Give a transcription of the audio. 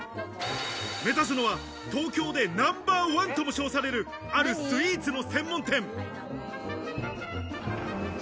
目指すのは東京でナンバーワンとも称されるあるスイーツの専門店。